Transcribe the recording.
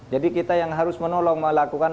jadi kita yang harus menolong melakukan